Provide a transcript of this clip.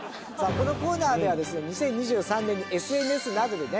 このコーナーではですね２０２３年にＳＮＳなどでね